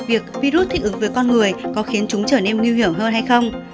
việc virus thích ứng với con người có khiến chúng trở nên nguy hiểm hơn hay không